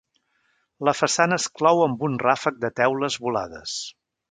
La façana es clou amb un ràfec de teules volades.